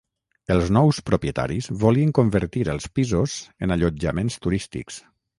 Els nous propietaris volien convertir els pisos en allotjaments turístics.